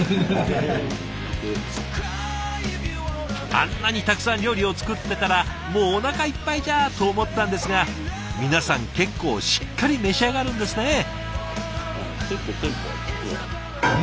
あんなにたくさん料理を作ってたらもうおなかいっぱいじゃと思ったんですが皆さん結構しっかり召し上がるんですねえ。